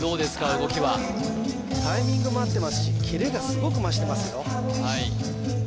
動きはタイミングも合ってますしキレがすごく増してますよ